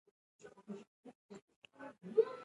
د ریګ دښتې د افغانانو د فرهنګي پیژندنې برخه ده.